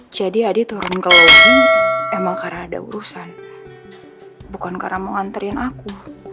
jadi adi turun ke lobby emang karena ada urusan bukan karena mau nganterin aku